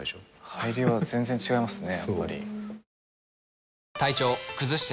入りは全然違いますね。